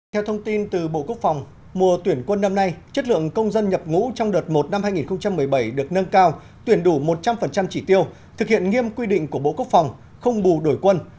theo thông tin từ bộ quốc phòng mùa tuyển quân năm nay chất lượng công dân nhập ngũ trong đợt một năm hai nghìn một mươi bảy được nâng cao tuyển đủ một trăm linh chỉ tiêu thực hiện nghiêm quy định của bộ quốc phòng không bù đổi quân